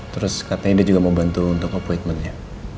terus katanya dia juga mau bantu untuk appointmentnya